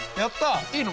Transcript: いいの？